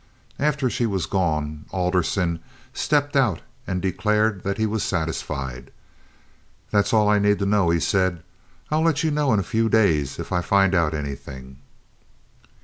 After she was gone Alderson stepped out and declared that he was satisfied. "That's all I need to know," he said. "I'll let you know in a few days if I find out anything."